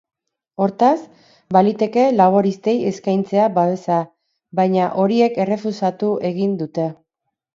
Hortaz, baliteke laboristei eskaintzea babesa, baina horiek errefusatu egin dute.